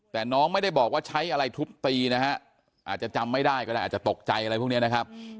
แต่น้องไม่ได้บอกว่าใช้อะไรทุบตีนะฮะอาจจะจำไม่ได้ก็ได้อาจจะตกใจอะไรพวกนี้นะครับ